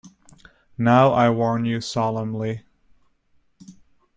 Now, I warn you solemnly.